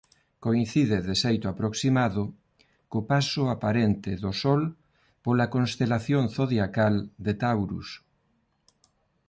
Coincide de xeito aproximado co paso aparente do Sol pola constelación zodiacal de Taurus.